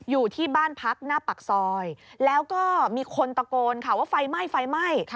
อยู่ที่บ้านพักหน้าปากซอยแล้วก็มีคนตะโกนค่ะว่าไฟไหม้ไฟไหม้